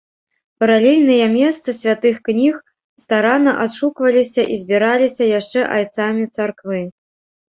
Паралельныя месцы святых кніг старанна адшукваліся і збіраліся яшчэ айцамі царквы.